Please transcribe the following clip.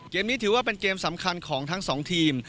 นี้ถือว่าเป็นเกมสำคัญของทั้งสองทีม